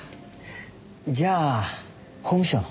じゃあ法務省の？